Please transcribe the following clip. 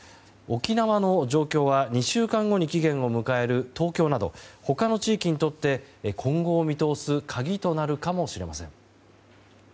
沖縄の状況は２週間後に期限を迎える東京など他の地域にとって今後を見通す鍵となるかもしれません。